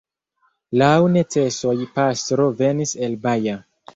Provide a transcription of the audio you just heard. Laŭ necesoj pastro venis el Baja.